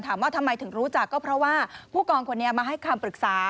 ถามว่าทำไมถึงรู้จักก็เพราะว่าผู้กองคนนี้มาให้คำปรึกษา